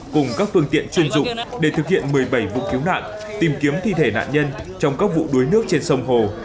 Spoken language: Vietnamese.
cùng các phương tiện chuyên dụng để thực hiện một mươi bảy vụ cứu nạn tìm kiếm thi thể nạn nhân trong các vụ đuối nước trên sông hồ